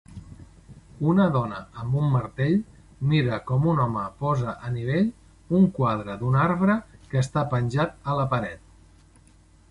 Una dona amb un martell mira com un home posa a nivell un quadre d'un arbre que està penjant a la paret